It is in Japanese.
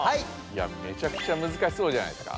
めちゃくちゃむずかしそうじゃないですか？